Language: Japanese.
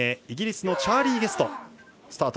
イギリスのチャーリー・ゲスト。